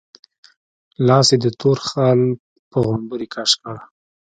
لاس يې د تور خال په غومبري کش کړ.